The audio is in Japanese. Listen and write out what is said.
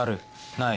ない？